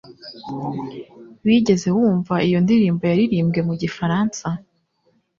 Wigeze wumva iyo ndirimbo yaririmbwe mu gifaransa?